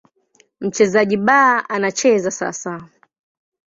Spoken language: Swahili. Mchezaji B anacheza sasa.